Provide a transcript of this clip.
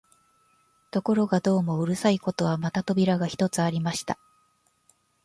ところがどうもうるさいことは、また扉が一つありました